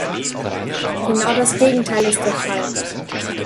Genau das Gegenteil ist der Fall!